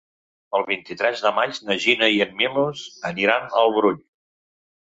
El vint-i-tres de maig na Gina i en Milos aniran al Brull.